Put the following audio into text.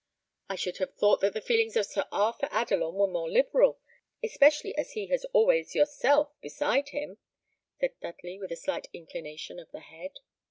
"I should have thought that the feelings of Sir Arthur Adelon were more liberal, especially as he has always yourself beside him," said Dudley, with a slight inclination of the head.